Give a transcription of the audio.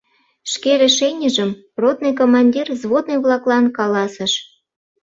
Шке решенийжым ротный командир взводный-влаклан каласыш.